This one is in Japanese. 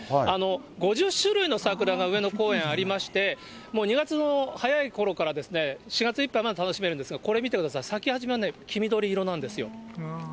５０種類の桜が、上野公園ありまして、もう２月の早いころから、４月いっぱいまで楽しめるんですが、これ見てください、咲き始めはね、黄緑色なんですよ。